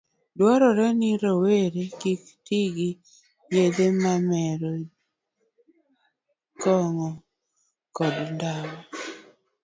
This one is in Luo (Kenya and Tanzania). Dwarore ni rowere kik ti gi yedhe mamero, kong'o, koda ndawa